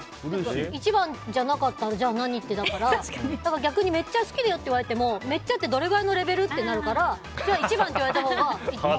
１番じゃなかったらじゃあ何？ってなるからだから逆にめっちゃ好きだよって言われてもめっちゃって、どれぐらいのレベル？ってなるからじゃあ、１番って言われたほうが。